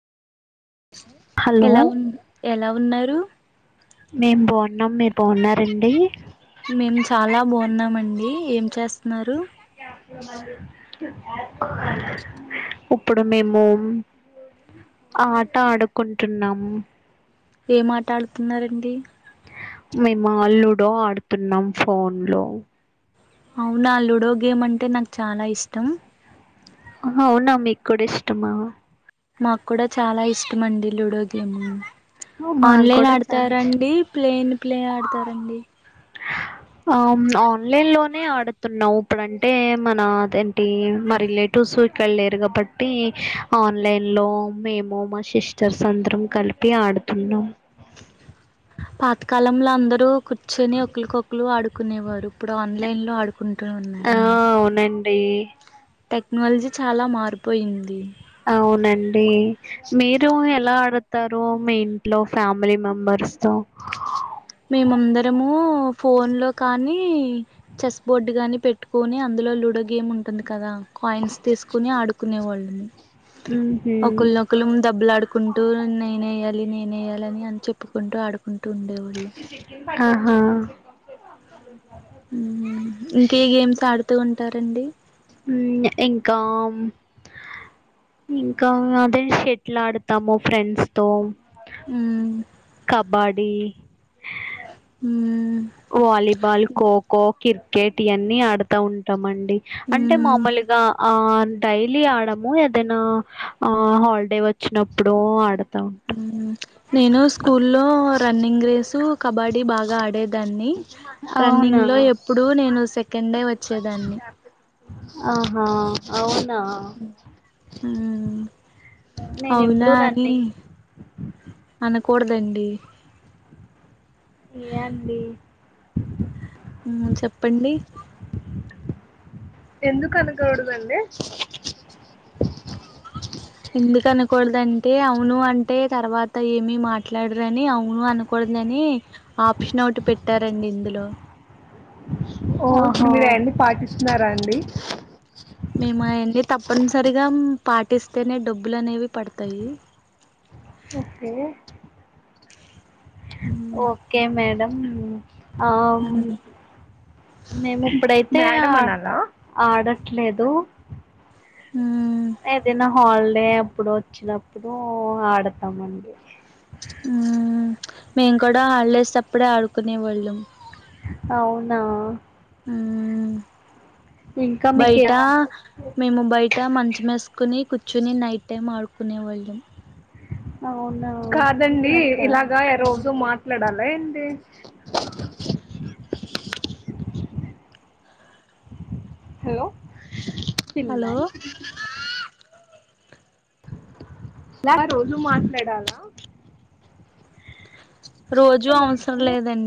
Hello ఎలా ఉన్, ఎలా ఉ ఉన్నరు? మేం బాగున్నాం, మీరు బాగున్నారండి? మేము చాలా బాగున్నామండి, ఏం చేస్ త్న్నారు? ఇప్పుడు మేము ఆట ఆడుకుంటున్నాము. ఏం మాటడుతున్నారంండి మేమా లూడో ఆడుతున్నాం. ఫోన్ లో అవునా లూడో గేమ్ అంటే నాక్ చానా ఇష్టం కూడ్ ఇష్టమా మాకు కూడా చాలా ఇష్టం అండి. లూడో గేమ్ మాకు ఆన్లైన్ కూడా చాలా ఇష్టం ఆడతారంండి ప్లేన్ ప్లే ఆడతారండి. ఆమ్ ఆన్లైన్ లోనే ఆడుతున్నాం. ఉప్పుడంటే మన దేంటి మా రిలేటివ్స్ ఇక్కడ లేరు కాబట్టి. ఆన్లైన్ లో మేము మా సిస్టర్స్ అందరం కలిపి ఆడుతున్నాం. పాత కాలంలో అందరూ కుచ్ కూర్చొని ఒకలుకొక్కలు ఆడుక్ కునేవారు ఇప్పుడు ఆన్లైన్ లో ఆడుత్ ఆ అవునండి టెక్నాల్జీ చాలా మారిపోయింది. అవునండి. మీరు ఎలా ఆడతారు మీ ఇంట్లో ఫ్యామిలీ మెంబర్స్ తో మేమందరము ఫోన్ లో కానీ, చెస్ బోర్డు గాని పెట్టుకొని. అందులో లూడో గేమ్ ఉంటుంది కదా. క్వాయిన్స్ తీసుకుని ఆడు క్కునేవాళ్ళని ఉహు ఒకల్నొకలం దెబ్బలు ఆడుకుంటూ నేనేయ్యల్ లి నేనేయాలని అని చెప్పుకుంటూ, ఆడుకుంటూ ఉండేవాళ్ళం. ఆహా ఉమ్మ్ ఇంకే గేమ్స్ ఆడుత్ తూ ఉంటారండి ఉమ్మ్ ఇంకా ఇంకా అదే షెట్ల్ ఆడతాము ఫ్రెండ్స్ తో. ఉమ్మ్ కబాడీ ఉమ్ వాలీబాల్, ఖోఖో, కిర్ కేట్ ఈ అన్ని ఆడతా ఉంటామండ్. డి అంటే మ్మ్ మామూలుగా ఆ డైలీ ఆడము ఏదైనా. ఆ హాలిడే వచ్చినప్పుడో ఆడత్ ఉమ్ నేను స్కూ లో రన్నింగ్ రేసు, కబాడీ బాగా ఆడేదాన్ న్ని అవునా రన్నింగ్ లో ఎప్పుడుూ నేను సెకండే వచ్చేదాన్ని. ఆహా అవున్ నా మ్మ్ నేను అవునా ఎప్పుడు రన్నింగ్ కూడదండి ఏ అండి ఉమ్ చెప్పండి. ఎందుకు అనుకోకూడదండి ఇందుకనుకూడదన్ టే అవును అంటే తర్వాత ఏమి మాట్లాడరని అవు మో అనకూడదని ఆప్షన్ అవుట్ పెట్టారండి ఇందులో మీరు అయన్ని పాటిస్తున్నారా అండి మేము అయన్నీ తప్పనిసరిగా పాటిస్తేనే డబ్బులు అనేవి పడతాయి ఓకే మ్ ఓకే మేడం అవునా ఆ మ్ మేము ఇపుడైత్ [inaudible] ఆడట్లేదు మ్ అదేనా హాలిడే అప్పుడు వచ్చినప్పుడు ఆడతామండి ఉ మేము కూడా హాలిడేసప్పుడే ఆడుకునేవాళ్ళం అవునా ఇంకా మీకే బయట మేము బయట మంచమేసుకుని కుచ్ కూర్చొని నైట్ టైం ఆడుకునేవాళ్ళం అవునా హలో హలో పిన్నాయి రోజూ మాట్లాడాలా రోజూ ఏ అవసరం లేదండి